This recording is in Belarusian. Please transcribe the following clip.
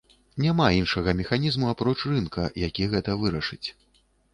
Няма іншага механізму, апроч рынка, які гэта вырашыць.